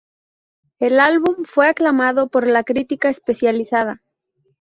El álbum fue aclamado por la crítica especializada.